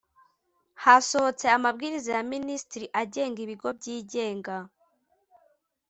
hasohotse amabwiriza ya minisitiri agenga ibigo byigenga .